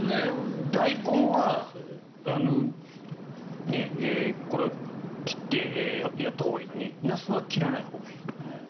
ダイコンは切ってやったほうがいいのにナスは切らないほうがいいと。